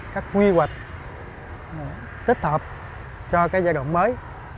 các quy hoạch tích hợp cho giai đoạn mới